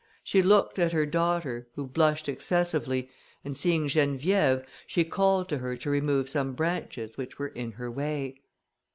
She looked at her daughter, who blushed excessively, and seeing Geneviève, she called to her to remove some branches, which were in her way.